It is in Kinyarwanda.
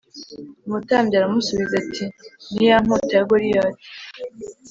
Umutambyi aramusubiza ati ni Ya nkota ya Goliyati